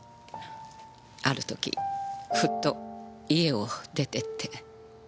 ある時ふっと家を出てって。